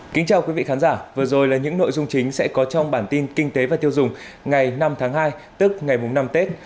kính chào quý vị khán giả vừa rồi là những nội dung chính sẽ có trong bản tin kinh tế và tiêu dùng ngày năm tháng hai tức ngày năm tết